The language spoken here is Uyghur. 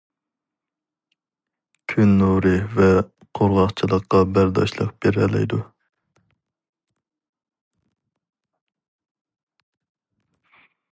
كۈن نۇرى ۋە قۇرغاقچىلىققا بەرداشلىق بېرەلەيدۇ.